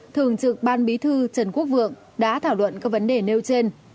thường trực ban bí thư trần quốc vượng đã thảo luận các vấn đề nêu trên